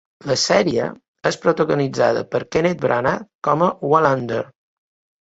La sèrie és protagonitzada per Kenneth Branagh com a Wallander.